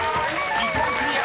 １問クリア！